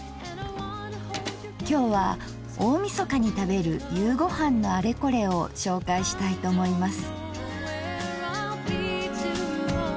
今日は大みそかに食べる夕ごはんのあれこれを紹介したいと思います。